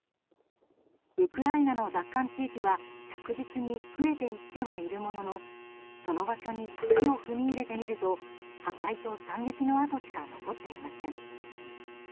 ウクライナの奪還地域は着実に増えていってはいるもののその場所に足を踏み入れてみると破壊と惨劇の痕しか残っていません。